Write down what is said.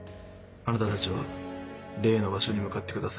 あなたたちは例の場所に向かってください。